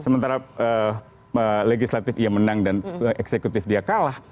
sementara legislatif ia menang dan eksekutif dia kalah